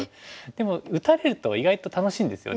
でも打たれると意外と楽しいんですよね。